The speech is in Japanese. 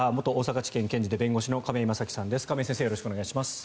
よろしくお願いします。